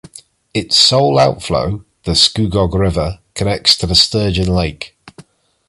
Its sole outflow, the Scugog River, connects to Sturgeon Lake.